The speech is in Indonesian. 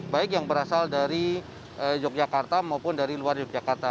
baik yang berasal dari yogyakarta maupun dari luar yogyakarta